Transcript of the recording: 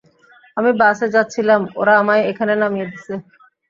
আমি বাসে যাচ্ছিলাম ওরা আমায় এখানে নামিয়ে দিছে।